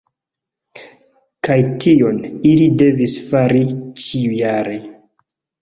Kaj tion, ili devis fari ĉiujare.